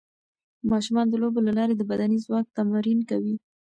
ماشومان د لوبو له لارې د بدني ځواک تمرین کوي.